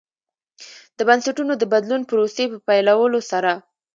د بنسټونو د بدلون پروسې په پیلولو سره.